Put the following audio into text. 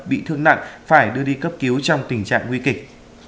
bị thương nặng phải đưa đi cấp cứu trong tình trạng nguy kịch